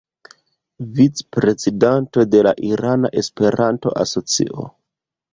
Vicprezidanto de Irana Esperanto-Asocio.